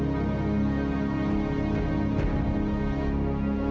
nanti kita lihat siapa yang dipenjara